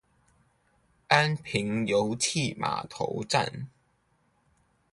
安平遊憩碼頭站